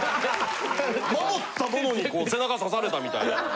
守ったものにこう背中刺されたみたいな。